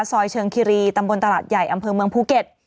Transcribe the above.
ซอยเชิงคิรีตำบลตลาดใหญ่อำเภอเมืองภูเก็ต